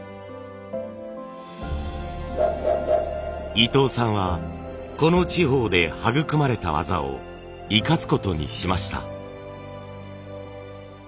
伊藤さんはこの地方で育まれた技を生かすことにしました。